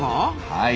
はい。